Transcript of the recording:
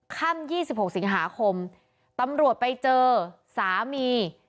ค่ำ๒๖สิงหาคมตำรวจไปเจอสามี